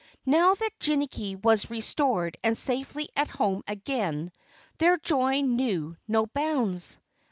Now that Jinnicky was restored and safely at home again, their joy knew no bounds.